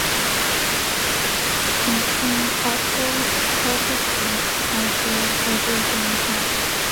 In the same article, Carbo states, I played every game high.